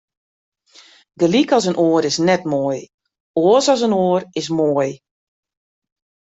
Gelyk as in oar is net moai, oars as in oar is moai.